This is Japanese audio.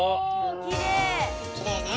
きれいね。